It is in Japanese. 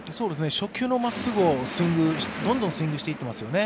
初球の真っすぐをどんどんスイングしていっていますよね。